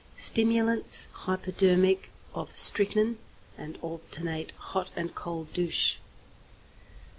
Stimulants, hypodermic of strychnine, and alternate hot and cold douche.